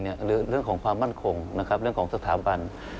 หรือเรื่องของความมั่นคงเรื่องของสถาบัน